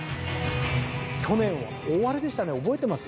去年は大荒れでしたね覚えてます？